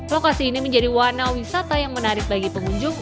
lokasi ini menjadi warna wisata yang menarik bagi pengunjung